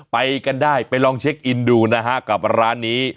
ไปกันได้ไปลองเช็คอินดูนะฮะกับร้านนี้